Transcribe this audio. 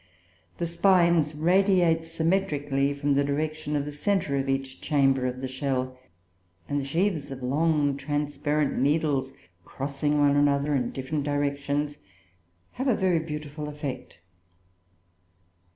The spines radiate symmetrically from the direction of the centre of each chamber of the shell, and the sheaves of long transparent needles crossing one another in different directions have a very beautiful effect.